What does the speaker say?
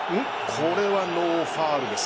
これはノーファールです。